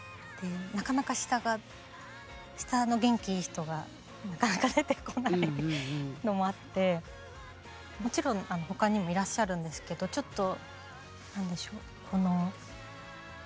なかなか下が下の元気いい人がなかなか出てこないのもあってもちろん他にもいらっしゃるんですけどちょっと何でしょうこの。